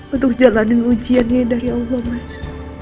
untuk jalanin ujiannya dari allah mas